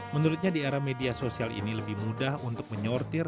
menurutnya di era media sosial ini lebih mudah untuk menyortir